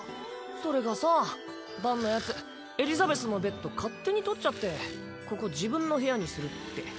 それがさぁバンのヤツエリザベスのベッド勝手に取っちゃってここ自分の部屋にするって。